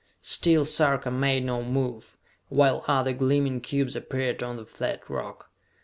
Still Sarka made no move, while other gleaming cubes appeared on the flat rock.